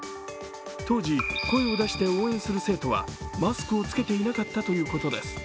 当時、声を出して応援する生徒はマスクを着けていなかったということです。